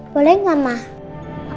boleh gak mama